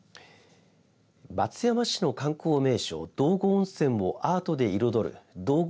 松山市の観光名所道後温泉をアートで彩る道後